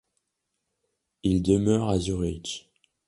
Il demeure à Zurich.